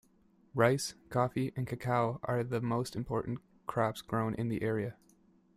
Rice, coffee and cacao are the most important crops grown in the area.